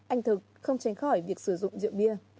anh thực không tránh khỏi việc sử dụng rượu bia